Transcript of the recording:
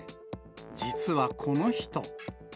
実はこの人。